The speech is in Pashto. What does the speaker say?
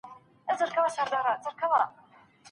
منم